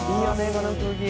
この空気」